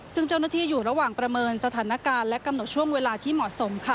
ซึ่งเจ้าหน้าที่อยู่ระหว่างประเมินสถานการณ์และกำหนดช่วงเวลาที่เหมาะสม